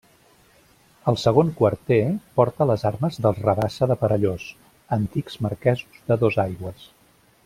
El segon quarter, porta les armes dels Rabassa de Perellós, antics marquesos de Dosaigües.